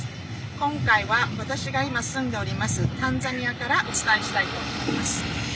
今回は私が今住んでおりますタンザニアからお伝えしたいと思います。